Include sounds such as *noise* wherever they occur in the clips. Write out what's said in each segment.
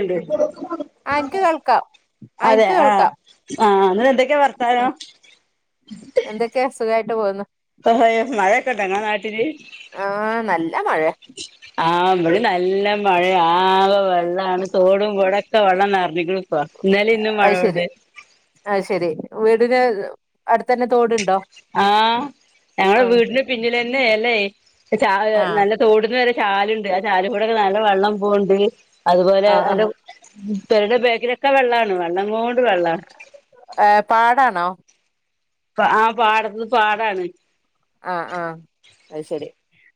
ഉണ്ട് ആ എനിക്ക് കേൾക്കാം ആ അതെ എനിക്ക് ആഹ കേൾക്കാം ആഹ നിങ്ങള് എന്തൊക്കെയാ വർത്താനം ഒക്കെ സുഖമായിട്ട് പോകുന്നു മഴയൊക്കെണ്ട നിങ്ങള നാട്ടില് ആഹ് നല്ല മഴയ ആഹ ഇവിടെ നല്ല മഴയാ ആകെ വെള്ളമാണ് തോടും കൊളൊ വെള്ളം നിറഞ്ഞു ക്ക്ണ് പ്പം ഇന്നലെയും ഇന്നും അത് ശരി മഴയുണ്ട് അത് ശെരി വീടിന് അടുത്ത് തന്നെ തോടുണ്ടോ ആഹ് ഞങ്ങളെ ആഹ് വീടിന് പിന്നിൽ തന്നെ അല്ലേ ആഹ് നല്ല തോടിനു നേരെ ചാലുണ്ട് ആ ചാലി കൂടൊക്കെ നല്ല വെള്ളം പോവണ്ട് അതുപോലെ നല്ല ആഹ് പിരയുടെ ബേക്കിലൊക്കെ വെള്ളാണ് വെള്ളം കൊണ്ട് വെള്ളം ഏഹ് പാടാണോ ആഹ് പാടത്ത് പാടാണ് ആഹ് ആഹ് അത് ശെരി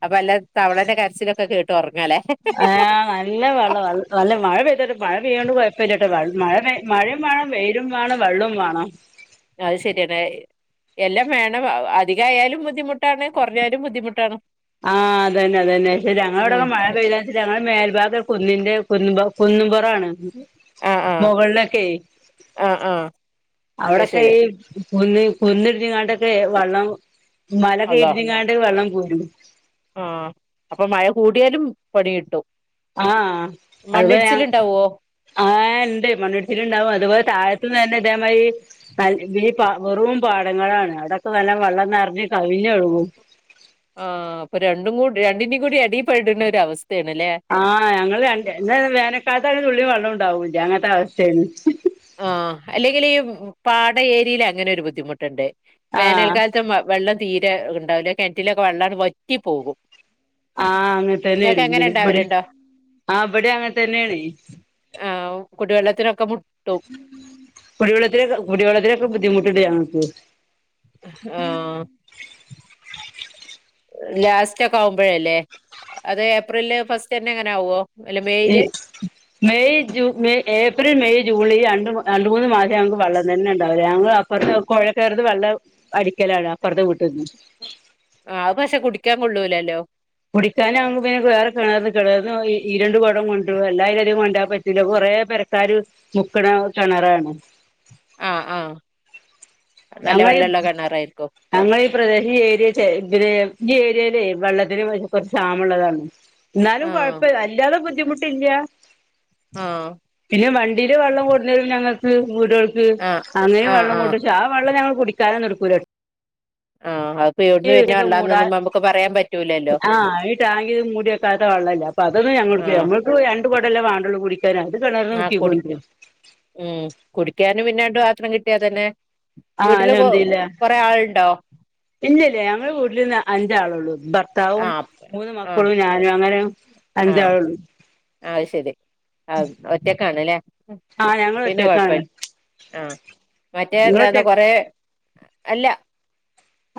അപ്പൊ അല്ല തവളാന്റെ കരച്ചിലൊക്കെ കേട്ട് ഉറങ്ങാലേ ആഹ നല്ല വെള്ളാത് നല്ല മഴ പെയ്തോട്ട് മഴ പെയ്യാണ്ട് കുഴപ്പമില്ലാട്ട മഴ മഴയും വേണം വെയിലും വേണം വെള്ളവും വേണം ആഹ് അത് ശരിയാണ് എല്ലാം വേണം അധികായാലും ബുദ്ധിമുട്ടാണ് കുറഞ്ഞാലും ബുദ്ധിമുട്ടാണ് ആഹ് അതെന്നെ അതെന്നെ ശരി ഉം ഞങ്ങളോവിടൊക്കെ മഴ പെയ്താ ഞങ്ങെ മേൽഭാഗം കുന്നിന്റെ കുന്നു കുന്നുംപുറാണ് ആഹ് ആഹ് മുകളിലൊക്കെ ആഹ് ആഹ് അത് അവിടൊക്കെ ശരി ഈ കുന്ന് കുന്നിടിഞ്ഞങ്ങാട്ടൊക്കെ വെള്ളം മലക്കെ അള്ളാ ഇടിഞ്ഞങ്ങാണ്ട് വെള്ളം പോരും. ആഹ് അപ്പൊ മഴ കൂടിയാലും പണി കിട്ടും. ആഹ് അതിപ്പം ഞങ്ങ് മണ്ണിടിച്ചിലുണ്ടാവോ ആഹ് ഇണ്ട് മണ്ണിടിച്ചിലുണ്ടാവും അതുപോലെ താഴത്തന്ന് തന്നെ അതേമാതിരി *unintelligible* വെറും പാടങ്ങളാണ് അവിടൊക്കെ നല്ല വെള്ളം നിറഞ്ഞ് കവിഞ്ഞൊഴുകും. ആഹ് അപ്പൊ രണ്ടും കൂ രണ്ടിന്റെകൂടി ഇടെപ്പെടുന്ന ഒരു അവസ്ഥയാണ്ല്ലേ. ആഹ് ഞങ്ങള് രണ്ട് എന്നാ വേനക്കാലത്ത് ഒരു തുള്ളി വെള്ളോം ഉണ്ടാവൂല്ല അങ്ങനത്തെ അവസ്ഥയാണ്. ആ അല്ലെങ്കിലും ഈ പാടം ഏരിയേൽ അങ്ങനെ ഒരു ബുദ്ധിമുട്ടുണ്ടേ ആഹ് വേനൽക്കാലത്ത് മ വെള്ളം തീരെ ഉണ്ടാവില്ല കിണറ്റിലൊക്കെ വെള്ളാങ് ട് വറ്റി പോകും. ആ അങ്ങനെ നിങ്ങൾക്ക് തന്നെയാണ് അങ്ങനെ ഇടെ ഉണ്ടാവലുണ്ടോ ആ ഇവിടെ അങ്ങനെ തന്നെയാണ്. ആഹ് കുടിവെള്ളത്തിനൊക്കെ മുട്ടും കുടിവെള്ളത്തിലെ കുടിവെള്ളത്തിലൊക്കെ ബുദ്ധിമുട്ടുണ്ട് ഞങ്ങക്ക്. ആഹ് ലാസ്റ്റ് ഒക്കെ ആവുമ്പോഴല്ലേ അതേ ഏപ്രില് ഫസ്റ്റ് തന്നെ അങ്ങനെ ആവോ. അല്ല മെയില് ശെരി മെയ് ജൂ മെയ് ഏപ്രിൽ മെയ് ജൂലൈ രണ്ട് മാ രണ്ട് മൂന്ന് മാസം ഞങ്ങക്ക് വെള്ളം തന്നെ ഉണ്ടാവില്ല ഞങ്ങളപ്പ പുറത്ത് കൊഴകിറിത് വെള്ളം അടിക്കലാണ് അപ്പറത്ത് വീട്ടിന്ന് - ആഹ് ത് പക്ഷെ കുടിക്കാൻ കൊള്ളൂലല്ലോ കുടിക്കാനാകുമ്പോ വേറെ കിണറ് കിണറ് ഈ രണ്ട് കുടം കൊണ്ടു എല്ലായിരും കൊണ്ടാൻ പറ്റ് ഇല്ല കൊറേ പെരക്കാര് മുക്കണ കിണറാണ് ആ ആ ഞങ്ങൾ കിണറായിരിക്കും ഞങ്ങൾ ഈ പ്രദേശം ഈ ഏരിയ ചെ ഇ ഈ ഏരിയയിലേ വെള്ളത്തിന് *unintelligible* കുറച്ച് ക്ഷാമുള്ളതാണ്. എന്നാലും ആഹ് കുഴപ്പില്ല അല്ലാതെ ബുദ്ധിമുട്ടില്ല. ആഹ് പിന്നെ വണ്ടിയില് വെള്ളം കൊണ്ടുരും ഞങ്ങൾക്ക് വീടുകൾക്ക് ആഹ് അങ്ങനെയും ആഹ് വെള്ളം ആഹ് കൊണ്ട് ക്ഷാമ് വെള്ളം ഞങ്ങള് കുടിക്കാനൊന്നുടുക്കൂല്ല ആഹ് അ *unintelligible* പറ്റൂലല്ലോ ആഹ് ഈടാങ്കിത് മൂടിക്കാത്ത വെള്ളല്ല അപ്പ അതൊന്ന് ഞങ്ങ ആഹ് ഞമ്മൾക്ക് രണ്ട് കുടല്ലേ വാണ്ടൊള്ളൂ കുടി *unintelligible* ആഹ് കുടിക്കും ഉം കുടിക്കാനും പിന്നെ രണ്ട് പാത്രം കിട്ടിയാതന്നെ ആഹ് വീട്ടില് കൊ അൽഹംദുലില്ലാഹ് കൊറെ ആളുണ്ടോ?. ഇല്ലില്ല ഞങ്ങൾ വീട്ടിൽന്ന് അഞ്ചാളുള്ളു ഭർത്താവും ആഹ് മൂന്ന് ആഹ് മക്കളും ഞാനും അങ്ങനെ - - അഞ്ചാളുള്ളു ആ ശരി ആ ഒറ്റക്കാണല്ലേ? ഉം ആഹ് ഞങ്ങള് പിന്നെ കൊഴപ്പൽ ഒറ്റക്കാണ് ആഹ് മറ്റേ നിങ്ങള് ഒറ്റ എന്താന്ന് കൊറേ അല്ല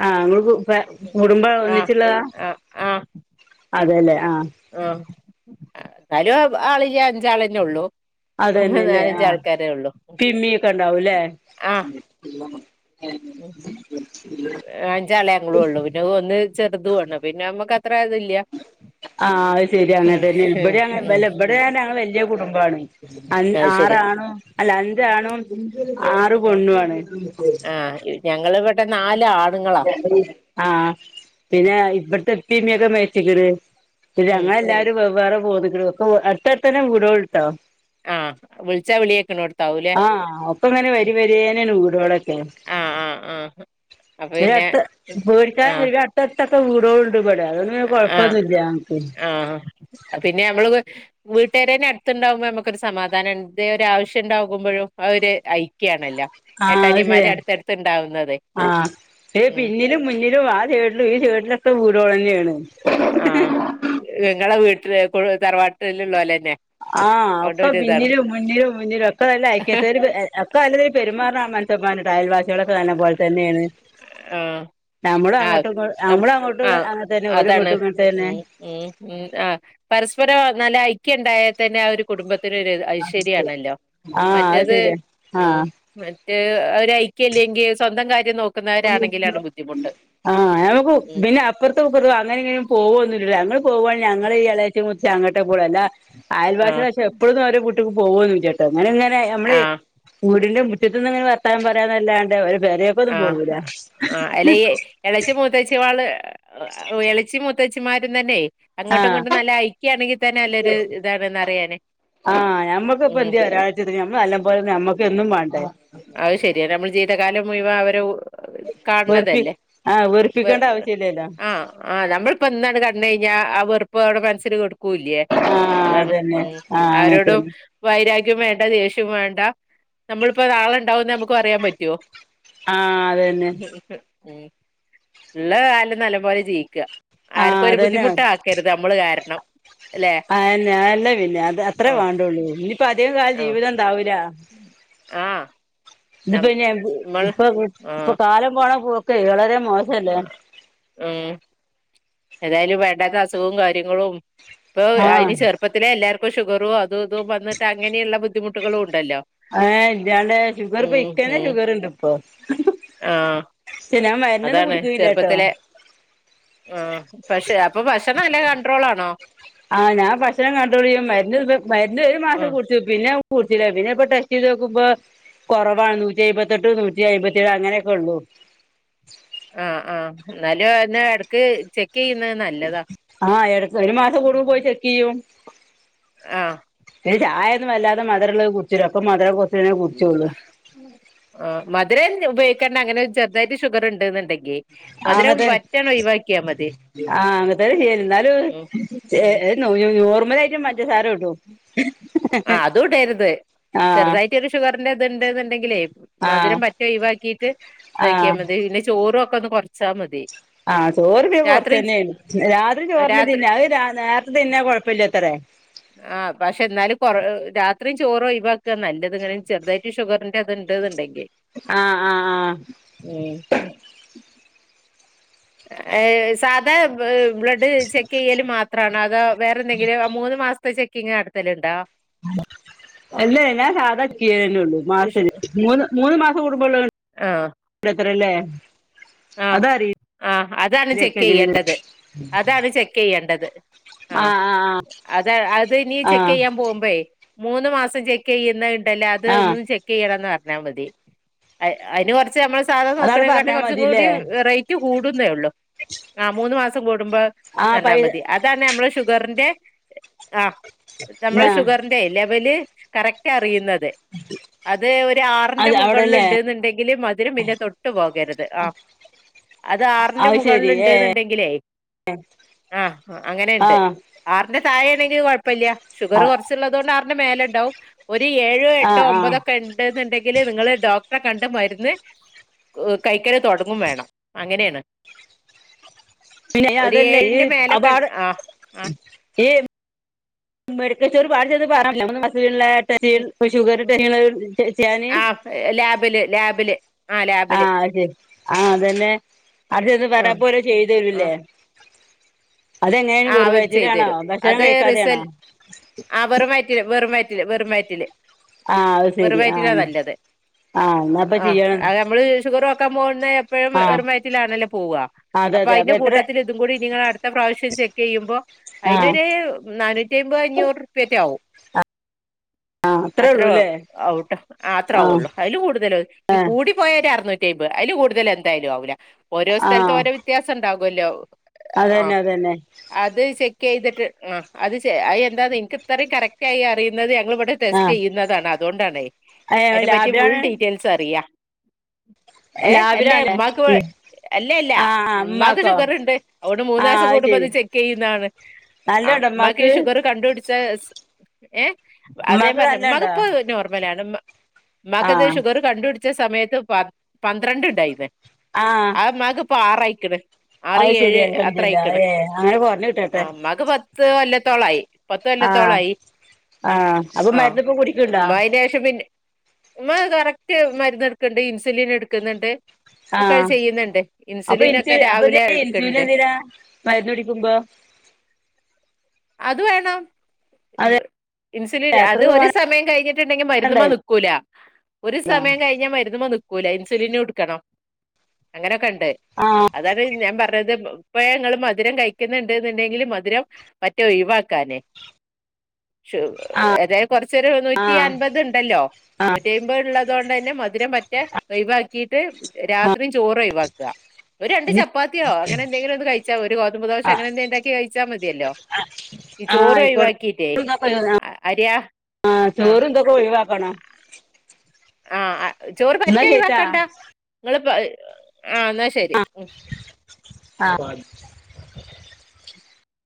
ആഹ് ഇങ്ങൾക്ക് ഇപ്പ കുടുംബം ആഹ് ഒന്നിച്ചുള്ളതാ ആഹ് ആഹ് അതെല്ലേ ആഹ് ആഹ് എന്നാലും ആളില്ലാ അഞ്ചാളന്നെ ഉള്ളു. അതേന്നല്ലേ ആഹ് പിന്നേക്കെ ഇണ്ടാവൂല്ലേ. മ്ഹ് *unintelligible* *unintelligible* ഞങ്ങളും ഉള്ളു പിന്നെ ഒന്ന് ചെറുതും ആണ്‌ പിന്നെ നമ്മക്ക് അത്ര ഇതില്യ ആഹ് അത് ശരി അങ്ങനെ തന്നേണ് ഇവിടെ അങ്ങനെ ഉം വല്ല ഇവിടെ ഞങ്ങള് വല്യ കുടുംബാണ്. അൻ അത് ശരി ആറ് ആണും അല്ല അഞ്ച് ആണും ആറ് പെണ്ണും ആണ്. ആഹ് *unintelligible* ഞങ്ങള് ഇവിടെ നാല് ആ ആഹ് പിന്നെ *unintelligible* മേച്ചേക്കണ് *unintelligible* ഉം ഞങ്ങള് എല്ലാരും വെവ്വേറെ പോന്ന്ക്കണു *unintelligible* അടുത്തടുത്തന്നെ വീടുകള്ട്ടൊ ആഹ് വിളിച്ചാ വിളിയേക്കണോടുത്താവൂലേ ആഹ് ഒപ്പം ഇങ്ങനെ വരി വരിയാനാണ് വീടുകളൊക്കേ ആഹ് ആഹ് ആഹ് അപ്പൊ *unintelligible* പിന്നെ പേടിക്കാനൊന്നും ആഹ് ഇല്ല അടുത്തടുത്തക്കെ വീടുകളുണ്ട് ഇവിടെ അത് *unintelligible* ആഹ് ആഹ് അഹ് പിന്നെ അമ്മള് വീട്ടുകാര് തന്നെ അടുത്തുണ്ടാവുമ്പോ നമ്മക്കൊരു സമാധാനം എന്തേ ഒരു ആവശ്യം ഉണ്ടാകുമ്പഴും ആ ഒരു ഐക്യാണല്ലോ ആഹ് അത് ശരിയ ഏട്ടാനിയന്മാര് അടുത്തടുത്ത് ഉണ്ടാവുന്നത് ആഹ് *unintelligible* ഉം പിന്നിലും മുന്നിലും ആദ്യാ *unintelligible* ഈ സൈഡിലൊക്ക വീടുകള് തന്നെയാണ് ആഹ് നിങ്ങളെ വീട്ടില് എപ്പൊഴും ഒരു തറവാട്ടില് ഇള്ള പോലെന്നെ. ആഹ് ഒക്ക പിന്നിലും മുന്നിലും മുന്നിലും ഒക്കെ നല്ല ഐക്യത്തോരിത് *unintelligible* നല്ല രീതിൽ പെരുമാറാണ മനുഷന്മാരുണ്ട് അയൽവാസികളൊക്കെ തന്ന പോലെ തന്നേണ് ആഹ് നമ്മള് ആ അങ്ങോട്ടും ഇങ്ങോ അം, നമ്മള് അങ്ങോട്ടും അങ്ങന തന്നെ ഒരു ഇങ്ങോട്ടും ഇങ്ങനെ തന്നെ മ്ഹ് മ്ഹ് ആഹ് പരസ്പരം നല്ല ഐക്യം ഉണ്ടായാൽ തന്നെ ആ ഒരു കുടുംബത്തിനൊരു ഐശ്വര്യാണല്ലോ ആഹ് അത് മറ്റത് ശരിയാ ഉം ആഹ് മറ്റേ അവര് ഐക്യമില്ലെങ്കി സ്വന്തം കാര്യം നോ ആഹ് അത് നമുക്കു ഉം പിന്ന അപ്പറത്തും ഇപ്പറത്തും അങ്ങനെ എങ്ങനേം പോവൊന്നുമില്ല ഞങ്ങള് പോവാണേ ഞങ്ങള് ഈ എളയച്ചി മുത്തച്ചി അങ്ങട്ട് പോവുള്ളു അല്ലാ അയൽ ആ വാസി വച്ചാൽ എപ്പഴൊന്നും അവര വീട്ടിക്ക് പോവോന്നും ഇല്ലേട്ട അങ്ങനെ ഇങ്ങനെ നമ്മള് ആ വീടിന്റെ *unintelligible* മുറ്റത്ത് നിന്നങ്ങനെ വർത്താനം പറയാന്നല്ലാണ്ട് ഓരെ പെരേക്കൊന്നും പോവൂല അയിലെ ഇയ്യേ എളെച്ചി മൂത്തേച്ചി വാള് എളെച്ചി മൂത്തേച്ചിമാരും തന്നെ. അങ്ങോട്ടും ആഹ് ഇങ്ങോട്ടും നല്ല ഐക്യാണെങ്കിൽ തന്നെ നല്ലൊരു ഇതാണെന്ന് പറയാന് ആഹ് ഞമ്മക്കിപ്പ ഉം *unintelligible* ഞമ്മള് നല്ല പോലന്നെ നമ്മക്ക് എന്നും വാണ്ടേ. അത് ശരിയ നമ്മള് ജീവിതകാലം മുഴുവൻ അവരൊവ് വെറുപ്പി കാൺണതല്ലേ ആഹ് വെ വെറുപ്പിക്കേണ്ട ആവശ്യല്ലല്ലോ ആഹ് ആഹ് നമ്മളിപ്പോ ഇന്ന് അങ്ങട് കണ്ട് കഴിഞ്ഞാ ആ വെറുപ്പ് അവിടെ മനസ്സില് കെടു ക്കൂല്യേ ആഹ് അതാണ് അതന്നെ ഉം ആഹ് ആരോടും അങ്ങൻത്തന്നെ വൈരാഗ്യോം വേണ്ട ദേശ്യോം വേണ്ട. ഇപ്പ ഇത് ആളെണ്ടാവോന്ന് നമുക്കും അറിയാൻ പറ്റുവോ? ആഹ് അതന്നെ ഉം ഇള്ള കാലം നല്ല പോലെ ജീവിക്കാ ആഹ് ആർക്കും ഒരു അതന്നെ ബുദ്ധിമുട്ട് ആക്കരുത് അമ്മള് കാരണം. അല്ലെ അതന്നാ അല്ല പിന്നെ അത് അത്രേ ആഹ് വേണ്ടുള്ളൂ ഇനി ഇപ്പ അധികം കാലം ആഹ് ജീവിതം ഇണ്ടാവൂല ആഹ് ഇത് പിന്നെ നമ്മൾ ഇപ്പൊ ഇപ്പൊ ആഹ് കാലം പോണ പോക്കെ വളരെ മോശല്ലേ ഉം ഏതായാലും വേണ്ടത്ത അസുഖോം കാര്യങ്ങളും ഇപ്പൊ ആഹ് അതിന് ചെറുപ്പത്തിലെ എല്ലാർക്കും ഷുഗറൂം *unintelligible* വന്നിട്ട് അങ്ങനെയുള്ള ബുദ്ധിമുട്ടുകളും ഉണ്ടല്ലോ ഏഹ് ഇജാണ്ടേ ഷുഗറിപ്പം ഉം ഇക്കന്നെ ഉം ഷുഗറുണ്ടിപ്പൊ ആഹ് *unintelligible* ഞാൻ മരുന്നൊന്നും അതാണ് കുടിക്കുകില്ലാട്ടോ. ചെറുപ്പത്തിലെ ആഹ് പക്ഷെ അപ്പൊ ഭക്ഷണം എല്ലാം കണ്ട്രോളാണോ. ആഹ് ഞാൻ ഭക്ഷണം കൺട്രോളെയ്യും മരുന്ന് ഇപ്പം മരുന്ന് ഒരു മാസം ആഹ് കുടിച്ചു പിന്നെ കുടിച്ചില്ല പിന്നെ ഇപ്പ ടെസ്റ്റ് ചെയ്തു നോക്കുമ്പൊ കൊറവാണ് നൂറ്റി എഴുപത്തെട്ട് നൂറ്റി അയിമ്പത്തി ഏഴ് അങ്ങനെയൊക്കെ ഒള്ളൂ. അഹ് അഹ് ഇന്നാലും അയ്ന് എടക്ക് ചെക്ക് ചെയ്യുന്നത് നല്ലതാ. ആഹ്. എടക്ക് ഒരു മാസം കൂടുമ്പോ പോയി ചെക്കെയ്യും. ആഹ്. ചായൊന്നു വല്ലാതെ മധുര ഉളളത് കുട്ച്ചൂല അപ്പൊ മധുര ആഹ് മധുരം ഉപയോഗിക്കെണ്ട അങ്ങനെ ചെറ്തായിട്ട് ഷുഗർ ഇണ്ട് ന്ന്ണ്ടെങ്കി ആ *unintelligible* അ ഇങ്ങത്തെ ആഹ് അത് *unintelligible* ഇന്നാലു ഉം *unintelligible* ഉം നോർമലായിട്ട് പഞ്ചസാര ഇടും ആഹ് അതും ഇടര്ത്. ആഹ് ചെറുതായിട്ട് ഒരു ഷുഗറിന്റെ ഇത് ഇണ്ട് ന്ന്ണ്ടെങ്കിലേ ആഹ് മധുരം പറ്റെ ഒഴിവാക്കീട്ട് ഇതാക്കിയാ ആഹ് മതി. പിന്നെ ചോറും ഒക്കെ ഒന്ന് കൊറച്ചാ മതി. ആഹ് ചോറ് പിന്നെ രാത്രി കൊറ്ച്ചെന്നേനി. രാത്രി ചോറിന് തിന്ന രാത്രി അത് നേരത്തെ തിന്നാ കൊഴ്. പുല്ലത്തെറ ആഹ് പക്ഷെ ഇന്നാലും കൊറ് രാത്രി ചോറ് ഒഴിവാക്ക നല്ലത് ഇങ്ങനെ ചെറ്തായിട്ട്- ഈ ഷുഗറിന്റെ ഇത്ണ്ട്ന്ന്ണ്ടെങ്കി ആഹ് ആഹ് ആഹ് ഉം. ഏഹേ. സാധാ- ബ്ലഡ് ചെക്കെയ്യല് മാത്രാണോ. അതോ വേറെ എന്തെങ്കിലും മൂന്ന് മാസ്ത്തെ ചെക്കിങ്ങ് നടത്തല്ണ്ടോ? അല്ലെയ് ഞാൻ സാധാ ചെക്ക് ചെയ്യലൊള്ളൂ മാസ് *unintelligible* മൂന്ന് മൂന്ന് മാസം കൂടുമ്പോള്ള ആഹ് *unintelligible* ത്രല്ലേ ആഹ് അതറിയില്ലക്കെ ആഹ് അതാണ് ചെക്ക് എങ്ങനെയന്ന് ചെയ്യേണ്ടത്. അതാണ് ചെക്ക് ചെയ്യേണ്ടത്. ആഹ്! അത അത് ഇനി ആഹ് ആഹ് ചെക്കെയ്യാൻ പോകുമ്പഴെ മൂന്ന് മാസം ചെക്ക് ചെയ്യുന്ന ഹ് ഇണ്ടല്ലേ അത് ആഹ് ആഹ് ഒന്ന് ചെക്ക് ചെക്ക് ചെയ്യണംന്ന് പറഞ്ഞാ മതി അയ്ന് കൊറ്ച്ച് നമ്മൾ സാധാ അതവിടെ നോക്കണെക്കാട്ടി പറഞ്ഞാ കൊറ്ച്ചും മതില്ലേ കൂടി റൈറ്റ് കൂടുന്നെ ഒള്ളൂ. ആഹ് മൂന്നു മാസം കൂടുമ്പോൾ ആ ചെന്നാ പൈ മതി ഇതാണ് നമ്മളെ ഷുഗറിന്റെ ആഹ് നമ്മളെ ഷുഗറിന്റെ- ലെ ലെവല് കറക്റ്റ് അറിയുന്നത് അത് ഒരു ആറ്ന്റെ അത് മുകളിൽ അവിടെല്ലേ ഉണ്ട്ന്നുണ്ടെങ്കില് മധിരം പിന്നെ തൊട്ടു പോകരുത് അതെ! അഹ് അത് ആറ്ന്റെ മുകളിൽ ഇണ്ട്ന്നുണ്ടെങ്കിലേ- എ അഹ്! അങ്ങനേ ഇണ്ട്. ആറിന്റെ തായേ ആണെങ്കിലു കൊഴപ്പല്ല. ഷുഗർ കൊറ്ച്ച്ള്ളതോണ്ട് ആറിന്റെ മേലെ ഇണ്ടാവും ഒരു ഏഴോ, എട്ടോ, ആഹ് ആഹ് ഒമ്പതൊക്കെ ഇണ്ട്ന്ന് ഇണ്ടെങ്കില് നിങ്ങള് ഡോക്ടറെ കണ്ട് മരുന്ന് കൈക്കല് തൊടങ്ങും വേണം. അങ്ങനേണ്. പിന്നെ അതല്ലേ ഈ ഏഴിന്റെ മേലൊക്കെ അപാടെ ആ ആ ഏഹ് മെഡിക്കച്ചോറെ *unintelligible* പാടിച്ചത് പറാ ന *unintelligible* ഷുഗർ ടെസ്റ്റ്‌ ടെസ്റ്റ്‌ ചെയ്യാന് ആഹ് ലാബില് ലാബില് ആ ലാബില് ആഹ്! അഹ് ശെരി ആഹ് ആതെന്നെ അജൊന്ന് പറ്ന്ന ആഹ് പോല് ചെയ്തരൂല്ലേ ആഹ് ആഹ് അവര് ചെയ്തരും. ഭക്ഷണം അത് റിസൽ കഴിക്കാതെയാണോ ആഹ് വെറും വയറ്റില് വെറുംവയറ്റില് വെറും വയറ്റില് ആഹ് അത് ശരി വെറുവയറ്റിലാ ആഹ് നല്ലത്! ആഹ് എന്നാപ്പൊ ആഹ് ചെയ്യണം നമ്മള് ഷുഗറോക്ക- ക്കാപോന്നെ എപ്പഴും ആഹ് വെറും വയറ്റിലാണല്ലോ പോവ. അതെ അപ്പൊ അതെ അയ്ന്റെ എത്ര കൂട്ടത്തില് അതും കൂടി നിങ്ങള് അടുത്ത പ്രാവശ്യം ചെക്ക് ചെയ്യുമ്പ ആഹ് അയ്നൊരു നാനൂറ്റി അമ്പത് അഞ്ഞൂറ്പ്യേറ്റെ ആവും ആഹ് അത്രേ അത്ര ഉള്ളൂല്ലേ *unintelligible* ഔട്ട് അത്ര ആഹ് ആവൊള്ളൂ. അയ്ല് കൂടുതല് ഈ കൂടി- പോയ അറുന്നൂറ്റി അയ്മ്പത്. അയ്ല് കൂടുതല് എന്തയാലും ആവുല ഓരോ സ്ഥല്ത്തും ആഹ് ഓരോ വ്യത്യാസം ഇണ്ടാകൊല്ലോ അഹ്. അതന്നെ അതന്നെ അത് ചെ ചെയ്തിട്ട് ആഹ് അത് അ എന്താ ഇൻക്ക് ഇത്രയും കറക്റ്റ് ആയി അറിയുന്നത് ഞങ്ങള് ഇവിടെടെസ്- ആഹ് യ്യൂന്നതാണ്. അതുകൊണ്ടാണേ ഏഹ് അതിനെ പറ്റി ഫുൾ ലാബിലാണ് ഡീറ്റെൽസ് അറിയാ ഏഹ് അല്ലേ ഇമ്മാക്ക് ലാബിലാണല്ലേ അല്ല എല്ല ആഹ് ആഹ് ഉമ്മാക്ക് ഉമ്മാക്കോ ഷുഗറ്ണ്ട്. അ ഒണ്ട് മൂന്ന് ആഹ് മാസം കൂടുമ്പോ അത് ശരി ചെക്ക് ചെയ്യുന്നആണ് ആഹ് ഉമ്മാക്ക് ഷുഗർ കണ്ടുപിടിച്ച ഏഹ്. ഉമ്മാക്ക് വേദന ഉണ്ടാ ഇപ്പൊ നോർമലാണ് മ്മാ ഉമ്മാക്കിത് ഷുഗർ കണ്ടുപിടിച്ച സമയത്ത് പന്ത്രണ്ട് ഉണ്ടായിരുന്നെ ആഹ് ഉമ്മാക്ക് ഇപ്പ ആറായിക്ക്ണ് ആറ് അത് ശരി ഏഴ് അൽഹംദുലില്ലാ അത്രായിക്ക്ണ് ഏഹ് അങ്ങനെ കൊറഞ്ഞ് കിട്ടട്ടെ ഉമ്മാക്ക് പത്ത് കൊല്ലത്തോളായി പത്ത് ആഹ് കൊല്ലത്തോളായി ആഹ് അത് മരന്ന്പ്പൊ കുടിക്ക്ണ്ടാ അതിന് ശേഷം പിന്നെ ഉമ്മ കറക്റ്റ് മരുന്ന് എടുക്ക്ണ്ട് ഇൻസുലിൻ എടുക്കുന്നുണ്ട് ഒക്കെ ആഹ് ചെയ്യുന്നുണ്ട് അപ്പൊ ഇൻസുലിൻ ഇൻസു ഒക്കെ അപ്പൊ ഇത് രാവിലെ ഇൻസുലിൻ എടുക്കണ്ട് എന്തിനാ മരുന്ന് കുടിക്കുമ്പോ അത് വേണം അതെ ഇൻസുലിൻ അത് യാത്രക്ക് ഒരു സമയം കഴിഞ്ഞിട്ട്ണ്ടെങ്കി മരുന്ന്മെ പോവാനുണ്ടായി നിക്കുല ഒരു സമയം കഴിഞ്ഞ മരുന്നുമെ നിക്കൂല ഇൻസുലിന് എടുക്കണം അങ്ങനെയൊക്കെ ഇണ്ട് ആഹ് അതാണ് ഞാൻ പറഞ്ഞത് ഇപ്പ ഞങ്ങള് മധുരം കഴിക്ക്ന്ന്ണ്ട് ന്ന്ണ്ടെങ്കില് മധ് രം പറ്റ ഒഴിവാക്കാനെ ഏതായാലു കൊറചൊരു നൂറ്റി ആഹ് അൻപത് ഇണ്ടല്ലോ നൂറ്റി കയ്മ്പള്ളതോണ്ടഞ്ഞെ മധുരം പറ്റേ ഒയ് വാക്കിട്ട് രാത്രി ചോറ് ഒയ് വാക്ക ഒര് രണ്ട് ഇനി ചപ്പാത്തിയോ അങ്ങനെ എന്തെകിലൊ ഒന്ന് കഴിച്ചാ ഒര് കോതബ് ദോഷ ആഹ് അങ്ങനെന്തന്താക്കി കഴ്ച്ചാ മതിയല്ലോ ഇചോറ് ആയിക്കോട്ടെ ഒയവാക്കിട്ടേ അരിയാ ആഹ് ആ ചോറ് ഇത്ക്കെ ഒഴിവാക്കണം ആഹ് ചോറ്പ്പ എന്നാ പറ്റേ ശരിട്ടാ അഴിവാക്കണ്ടാ നിങ്ങള്പ്പ ആഹ് ന്നാശരി ആഹ്